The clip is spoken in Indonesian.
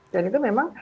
dan itu memang